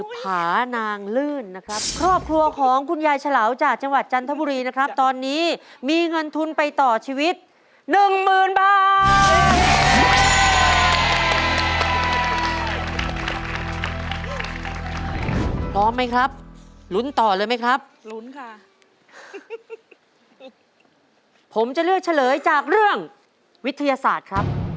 พร้อมนะครับ